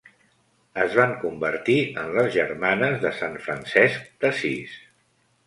Es van convertir en les Germanes de Sant Francesc d'Assís.